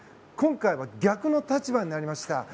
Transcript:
今回は逆の立場になりました。